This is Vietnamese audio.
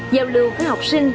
giao lưu với học sinh